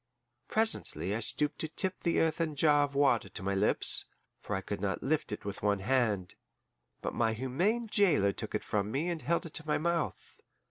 Presently I stooped to tip the earthen jar of water to my lips, for I could not lift it with one hand, but my humane jailer took it from me and held it to my mouth.